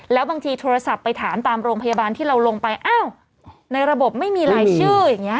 แล้วบางทีโทรศัพท์ไปถามตามโรงพยาบาลที่เราลงไปอ้าวในระบบไม่มีรายชื่ออย่างนี้